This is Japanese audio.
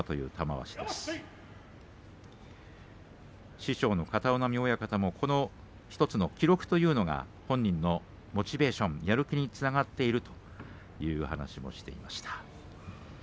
師匠の片男波親方もこの１つの記録というのが本人のモチベーションやる気につながっているという話をしていました。